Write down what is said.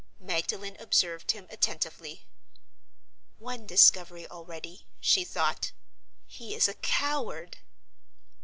Magdalen observed him attentively. "One discovery already," she thought; "he is a coward!"